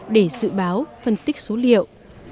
để dự báo phân tích số liệu